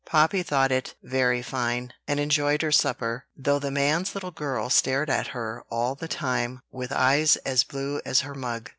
Poppy thought it very fine, and enjoyed her supper, though the man's little girl stared at her all the time with eyes as blue as her mug.